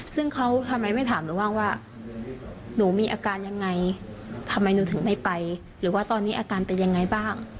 ซึ่งเขาทำไมไม่ถามหนูบ้างว่าหนูมีอาการยังไงทำไมหนูถึงไม่ไปหรือว่าตอนนี้อาการเป็นยังไงบ้าง